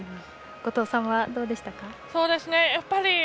後藤さんは、どうですか？